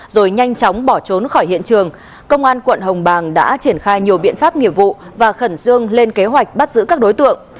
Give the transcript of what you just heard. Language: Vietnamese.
rồi nhanh chóng bỏ trốn khỏi hiện trường công an quận hồng bàng đã triển khai nhiều biện pháp nghiệp vụ và khẩn trương lên kế hoạch bắt giữ các đối tượng